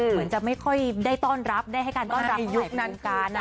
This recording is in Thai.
เหมือนจะไม่ค่อยได้ต้อนรับได้ให้การต้อนรับในยุคนั้นการ